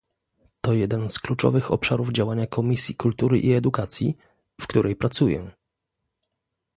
To jeden z kluczowych obszarów działania Komisji Kultury i Edukacji, w której pracuję